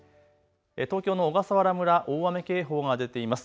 東京の小笠原村、大雨警報が出ています。